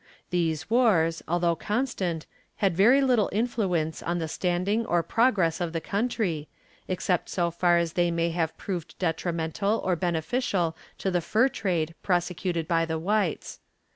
These wars, although constant, had very little influence on the standing or progress of the country, except so far as they may have proved detrimental or beneficial to the fur trade prosecuted by the whites.